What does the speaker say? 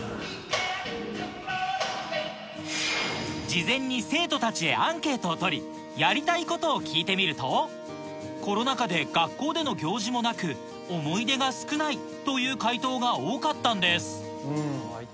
事前に生徒たちへアンケートを取りやりたいことを聞いてみるとコロナ禍で学校での行事もなく思い出が少ないという回答が多かったんです